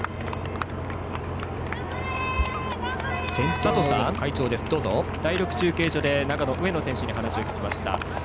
佐藤さん、第６中継所で長野の上野選手に話を聞きました。